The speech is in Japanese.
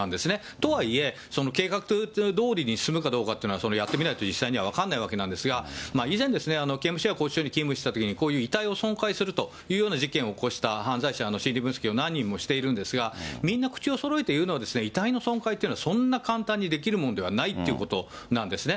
とはいえ、計画どおりに進むかどうかっていうのは、やってみないと実際には分からないわけなんですが、以前、刑務所や拘置所に勤務したときにこういう遺体を損壊するというような事件を起こした犯罪者の心理分析を何人もしているんですが、みんな口をそろえて言うのは、遺体の損壊っていうのは、そんな簡単にできるもんではないということなんですね。